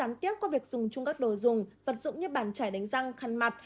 bệnh lây truyền có việc dùng chung các đồ dùng vật dụng như bàn chải đánh răng khăn mặt